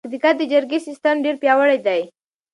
پکتیکا کې د جرګې سیستم ډېر پیاوړی دی.